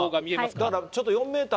だからちょっと４メーター